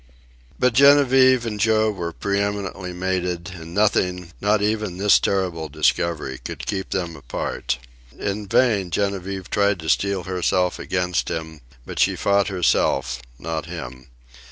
But Genevieve and Joe were preeminently mated, and nothing, not even this terrible discovery, could keep them apart. In vain Genevieve tried to steel herself against him; but she fought herself, not him.